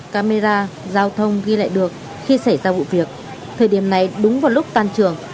camera giao thông ghi lại được khi xảy ra vụ việc thời điểm này đúng vào lúc tan trường